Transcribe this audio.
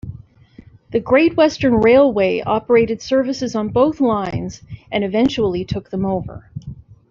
The Great Western Railway operated services on both lines and eventually took them over.